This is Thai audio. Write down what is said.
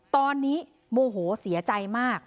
ตอนนี้โมโหเสียใจมาก